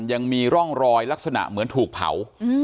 ยังมีร่องรอยลักษณะเหมือนถูกเผา